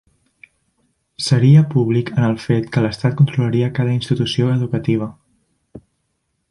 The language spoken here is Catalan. Seria públic en el fet que l'estat controlaria cada institució educativa.